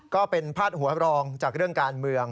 ก็เป็นพาดหัวรองจากเรื่องการเมือง